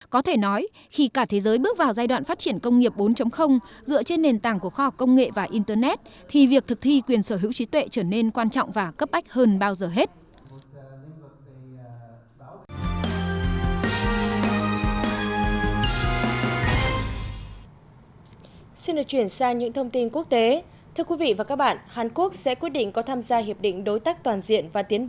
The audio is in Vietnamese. có thể nói khi cả thế giới bước vào giai đoạn phát triển công nghiệp bốn dựa trên nền tảng của khoa học công nghệ và internet thì việc thực thi quyền sở hữu trí tuệ trở nên quan trọng và cấp bách hơn bao giờ hết